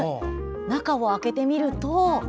中を開けてみると。